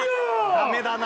ダメだな。